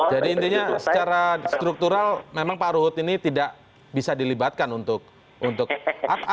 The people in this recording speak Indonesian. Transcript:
jadi intinya secara struktural memang pak arhut ini tidak bisa dilibatkan untuk untuk atau